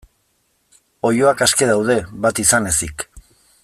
Oiloak aske daude, bat izan ezik.